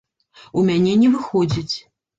У мяне не выходзіць!